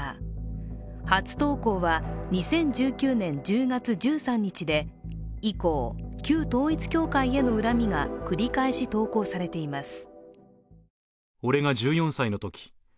初投稿は２０１９年１０月１３日で、以降、旧統一教会への恨みが繰り返し投稿されています。